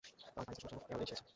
তার পাইলসের সমস্যা এভাবেই সেড়েছে।